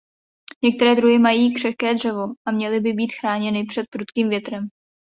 Některé druhy mají křehké dřevo a měly by být chráněny před prudkým větrem.